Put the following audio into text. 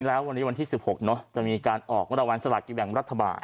แล้ววันนี้วันที่๑๖เนอะจะมีการออกรางวัลสลากกินแบ่งรัฐบาล